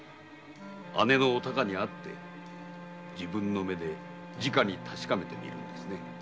姉のお孝に会って自分の目でじかに確かめてみるんですね。